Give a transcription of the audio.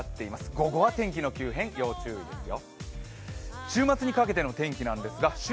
午後は天気の急変、要注意ですよ。